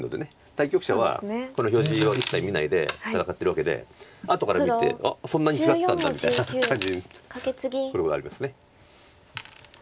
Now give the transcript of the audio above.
対局者はこの表示を一切見ないで戦ってるわけで後から見て「あっそんなに違ってたんだ」みたいな感じのことがあります。